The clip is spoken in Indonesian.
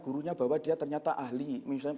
gurunya bahwa dia ternyata ahli misalnya